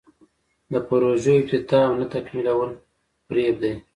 د پروژو افتتاح او نه تکمیلول فریب دی.